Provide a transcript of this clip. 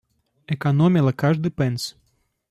Экономила каждый пенс.